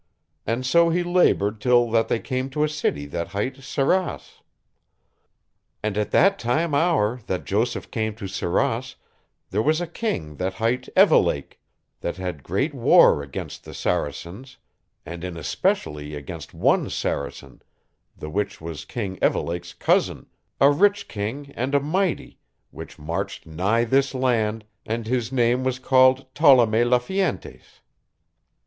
And so he labored till that they came to a city that hight Sarras. And at that same hour that Joseph came to Sarras there was a king that hight Evelake, that had great war against the Saracens, and in especially against one Saracen, the which was King Evelake's cousin, a rich king and a mighty, which marched nigh this land, and his name was called Tolleme la Feintes.